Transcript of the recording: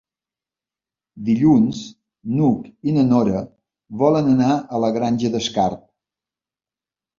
Dilluns n'Hug i na Nora volen anar a la Granja d'Escarp.